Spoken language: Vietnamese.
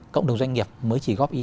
cộng đồng doanh nghiệp mới chỉ góp ý